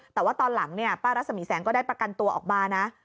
แต่ว่าตอนหลังเนี่ยป้ารัศมีแสงก็ได้ประกันตัวออกมานะ